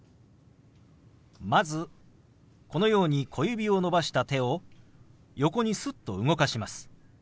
まずこのように小指を伸ばした手を横にすっと動かします。